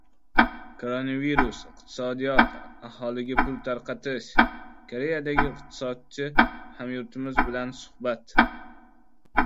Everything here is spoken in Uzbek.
«Koronavirus, iqtisodiyot, aholiga pul tarqatish...» Koreyadagi iqtisodchi hamyurtimiz bilan suhbat